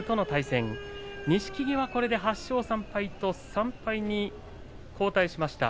錦木は８勝３敗と３敗に後退しました。